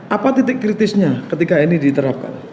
apa titik kritisnya ketika ini diterapkan